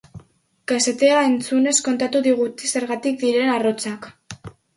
Kasetea entzunez kontatu digute zergatik diren arrotzak.